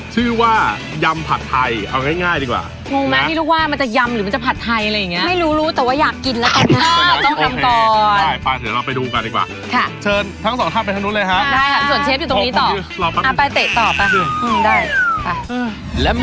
ชื่อว่ายำผัดไทยเอาง่ายดีกว่า